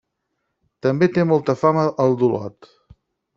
També té molta fama el d'Olot.